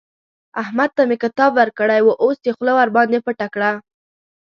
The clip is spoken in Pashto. احمد ته مې کتاب ورکړی وو؛ اوس يې خوله ورباندې پټه کړه.